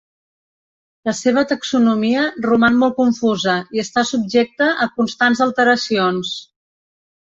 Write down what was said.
La seva taxonomia roman molt confusa i està subjecta a constants alteracions.